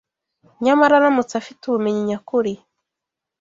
nyamara aramutse afite ubumenyi nyakuri